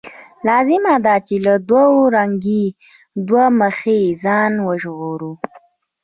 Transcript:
لازمه ده چې له دوه رنګۍ، دوه مخۍ ځان وژغورو.